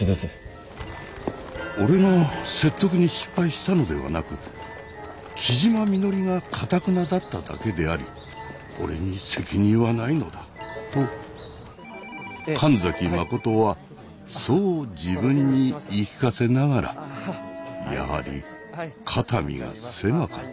俺が説得に失敗したのではなく木嶋みのりがかたくなだっただけであり俺に責任はないのだと神崎真はそう自分に言い聞かせながらやはり肩身が狭かった。